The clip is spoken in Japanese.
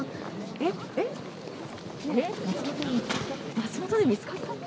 松本で見つかったって。